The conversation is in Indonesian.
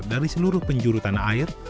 dari seluruh penjuru tanah air